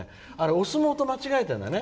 お相撲と間違われるんだよね。